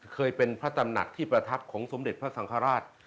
เคยเป็นพระตำหนักที่ประทับของสมเด็จพระสังฆราช